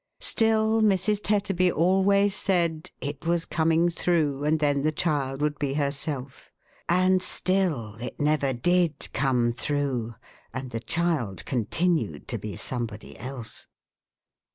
Still Mrs. Tetterby always said "it was coming through, and then the child would be herself;" and still it never did come through, and the child continued to Ix somebody else.